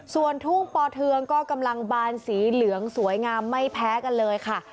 ส่วนทุ่งปอเทืองก็กำลังบานสีเหลืองสวยงามไม่แพ้กันเลยค่ะ